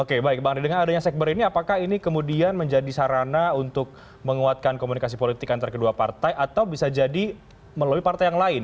oke baik bang andri dengan adanya sekber ini apakah ini kemudian menjadi sarana untuk menguatkan komunikasi politik antara kedua partai atau bisa jadi melalui partai yang lain